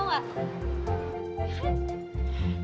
lo tau gak